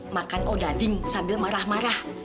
makan odading sambil marah marah